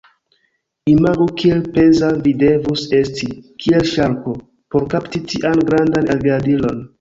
Imagu kiel peza vi devus esti, kiel ŝarko, por kapti tian grandan aviadilon.